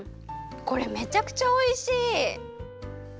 これめちゃくちゃおいしい！